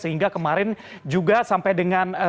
sehingga kemarin juga sampai dengan pada tahun dua ribu dua puluh